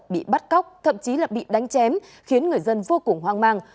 bị bắt cóc thậm chí là bị đánh chém khiến người dân vô cùng hoang mang